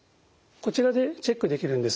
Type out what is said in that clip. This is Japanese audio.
こちらでチェックできるんです。